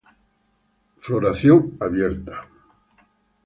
Fl: floración abierta.